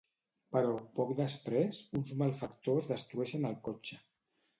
Però, poc després, uns malfactors destrueixen el cotxe.